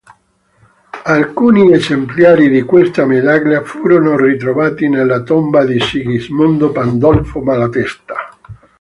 Alcuni esemplari di questa medaglia furono ritrovati nella tomba di Sigismondo Pandolfo Malatesta.